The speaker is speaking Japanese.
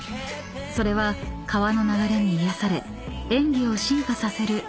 ［それは川の流れに癒やされ演技を進化させるひととき］